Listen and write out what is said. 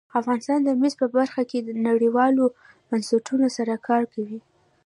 افغانستان د مس په برخه کې نړیوالو بنسټونو سره کار کوي.